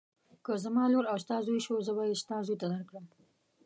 که زما لور او ستا زوی شو زه به یې ستا زوی ته درکړم.